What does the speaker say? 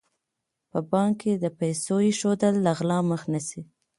په بانک کې د پیسو ایښودل له غلا مخه نیسي.